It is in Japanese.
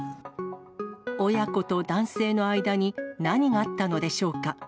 親子と男性の間に何があったのでしょうか。